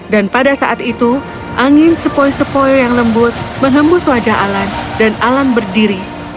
dan pada saat itu angin sepoy sepoy yang lembut mengembus wajah alan dan alan berdiri